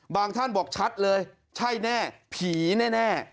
ท่านบอกชัดเลยใช่แน่ผีแน่